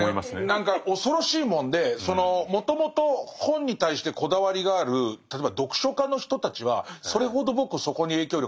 何か恐ろしいもんでもともと本に対してこだわりがある例えば読書家の人たちはそれほど僕そこに影響力はないと思うんです。